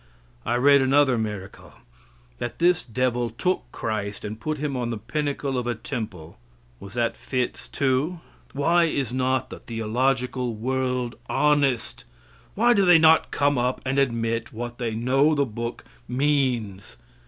I read another miracle that this devil took Christ and put him on the pinnacle of a temple. Was that fits, too? Why is not the theological world honest? Why do they not come up and admit what they know the book means?